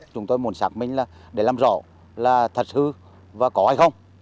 chúng tôi muốn xác minh là để làm rõ là thật hư và có hay không